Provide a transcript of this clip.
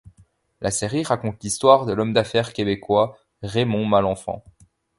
La série raconte l'histoire de l'homme d'affaires québécois Raymond Malenfant.